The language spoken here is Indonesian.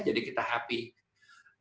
jadi kita bahagia